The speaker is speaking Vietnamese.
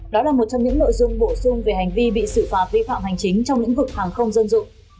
đó là một trong những nội dung bổ sung về hành vi bị xử phạt vi phạm hành chính trong lĩnh vực hàng không dân dụng